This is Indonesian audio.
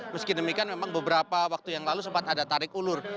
meski demikian memang beberapa waktu yang lalu sempat ada tarik ulur